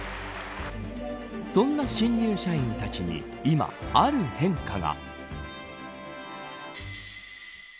そんな新入社員たちに今、ある変化が。